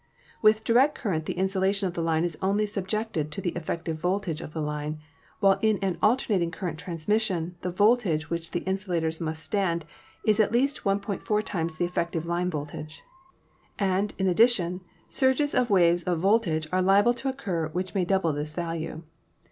With direct cur rent the insulation of the line is only subjected to the effective voltage of the line, while in an alternating current transmission the voltage which the insulators must stand is at least 1.4 times the effective line voltage; and, in addition, surges of waves of voltage are liable to occur which may double this value.